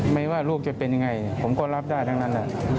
ไม่ว่าลูกจะเป็นยังไงผมก็รับได้ทั้งนั้น